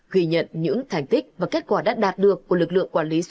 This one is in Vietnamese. ghi nhận những thành tích và kết quả đã đạt được của lực lượng quản lý